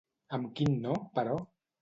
Amb quin no, però?